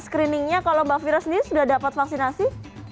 screeningnya kalau mbak fira sendiri sudah dapat vaksinasi